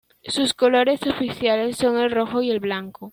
Sus colores oficiales son el rojo y el blanco.